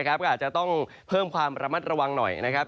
ก็อาจจะต้องเพิ่มความระมัดระวังหน่อยนะครับ